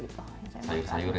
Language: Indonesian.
sayur sayur ya mbak ya